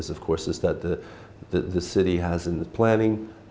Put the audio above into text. nó sẽ là một mạng